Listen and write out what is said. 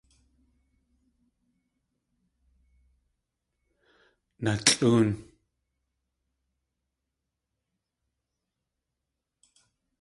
Nalʼóon!